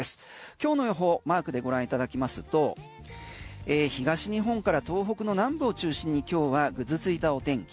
今日の予報マークでご覧いただきますと東日本から東北の南部を中心に今日はぐずついたお天気